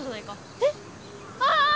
えっ⁉ああっ！